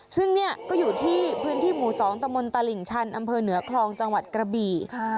ซึ่งเนี่ยก็อยู่ที่พื้นที่หมู่๒ตะมนตลิ่งชันอำเภอเหนือคลองจังหวัดกระบี่